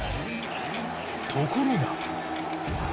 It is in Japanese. ところが。